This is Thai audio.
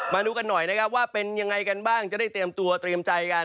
มาดูกันหน่อยนะครับว่าเป็นยังไงกันบ้างจะได้เตรียมตัวเตรียมใจกัน